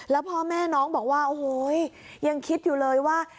แล้วพ่อแม่น้องบอกว่าโอ้โหยังคิดอยู่เลยว่า